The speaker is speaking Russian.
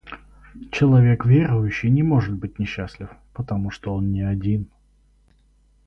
Человек верующий не может быть несчастлив, потому что он не один.